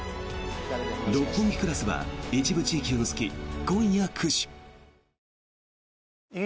「六本木クラス」は一部地域を除き、今夜９時。